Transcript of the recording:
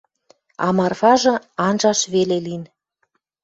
А Марфажы анжаш веле лин